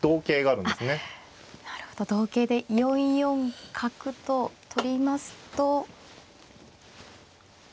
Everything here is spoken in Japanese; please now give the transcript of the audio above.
なるほど同桂で４四角と取りますと。